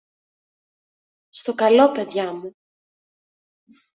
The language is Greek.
Στο καλό, παιδιά μου.